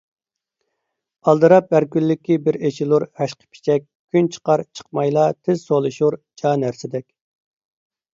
ئالدىراپ ھەركۈنلۈكى بىر ئېچىلۇر ھەشقىپىچەك، كۈن چىقار - چىقمايلا تېز سولىشۇر جا نەرسىدەك.